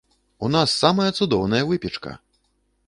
У нас самая цудоўная выпечка!